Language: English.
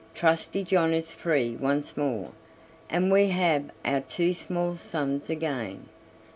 Trusty John is free once more, and we have our two small sons again."